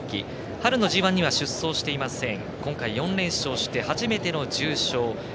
春のＧＩには出走していません。